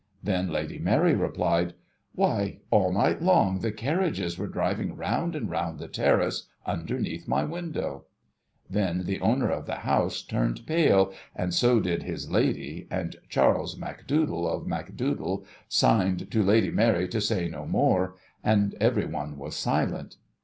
Then, Lady Mary replied, ' Why, all night long, the carriages were driving round and round the terrace, underneath my window !' Then, the owner of the house turned pale, and so did his Lady, and Charles Macdoodle of IMacdoodle signed to Lady Mary to say no more, and every one was silent.